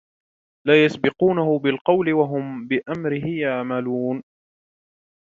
لا يسبقونه بالقول وهم بأمره يعملون